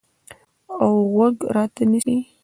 اوغوږ راته نیسي